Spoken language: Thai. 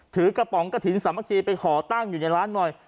ถือกระป๋องกระถิ่นสามัคคีไปขอตั้งอยู่ในร้านหน่อย